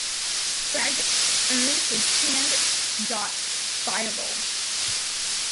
Krag earned his Cand.philol.